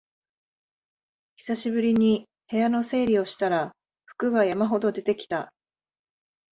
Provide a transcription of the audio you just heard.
久しぶりに部屋の整理をしたら服が山ほど出てきた